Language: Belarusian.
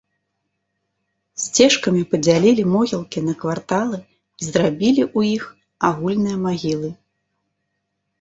Сцежкамі падзялілі могілкі на кварталы і зрабілі ў іх агульныя магілы.